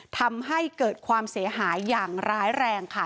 ทำให้เกิดความเสียหายอย่างร้ายแรงค่ะ